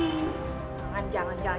jangan jangan jangan